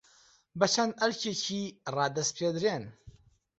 بە چەند ئەرکێکی رادەسپێردرێن